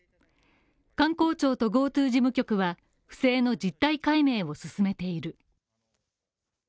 観光庁とＧｏＴｏ事務局は、不正の実態解明を進めている。